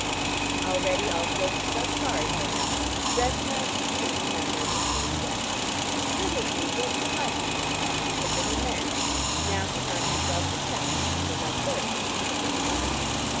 Already also he felt sorry for him, recognizing in him a member of his own sex. Hitherto he had disliked his own sex, because they were men, now he found himself detesting people like Berts, because they were not.